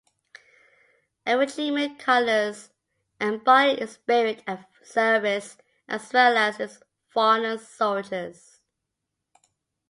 A regiment's colours embody its spirit and service, as well as its fallen soldiers.